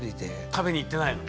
食べに行ってないの？